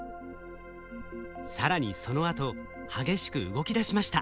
更にそのあと激しく動きだしました。